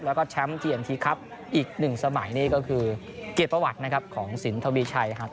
แล้วก็แชมป์เทียมทีครับอีกหนึ่งสมัยนี่ก็คือเกียรติประวัตินะครับของสินทวีชัยหัก